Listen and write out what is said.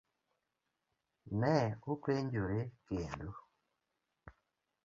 Ne openjore kendo.